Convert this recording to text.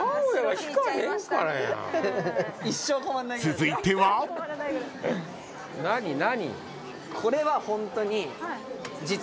［続いては］何何？